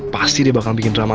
pasti dia bakal bikin drama